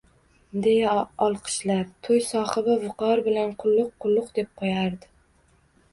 Deya olqishlar, to`y sohibi viqor bilan Qulluq, qulluq deb qo`yardi